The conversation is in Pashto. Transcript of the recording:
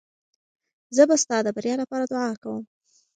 زه به ستا د بریا لپاره دعا کوم.